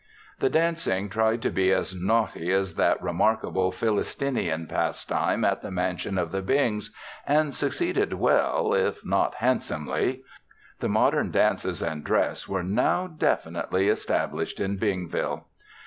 The dancing tried to be as naughty as that remarkable Phyllistinian pastime at the mansion of the Bings and succeeded well, if not handsomely. The modern dances and dress were now definitely established in Bingville.